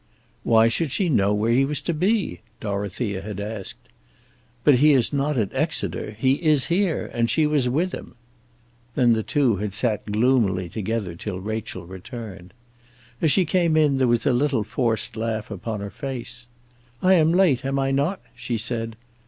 "Why should she know where he was to be?" Dorothea had asked. "But he is not at Exeter; he is here, and she was with him." Then the two had sat gloomily together till Rachel returned. As she came in there was a little forced laugh upon her face. "I am late; am I not?" she said.